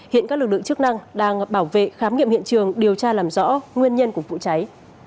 hiện các lực lượng chức năng đang bảo vệ khám nghiệm hiện trường điều tra làm rõ nguyên nhân của vụ cháy